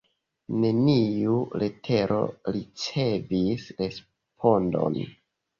Neniu letero ricevis respondon.